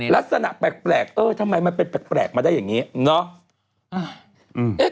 ลักษณะแปลกเออทำไมมันเป็นแปลกมาได้อย่างนี้เนาะ